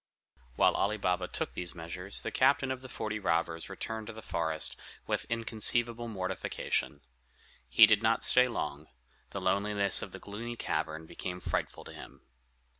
While Ali Baba took these measures, the captain of the forty robbers returned to the forest with inconceivable mortification. He did not stay long: the loneliness of the gloomy cavern became frightful to him.